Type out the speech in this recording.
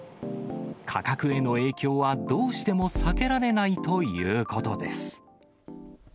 価格への影響はどうしても避けられないということです。